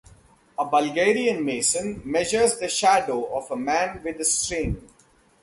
A Bulgarian mason measures the shadow of a man with a string.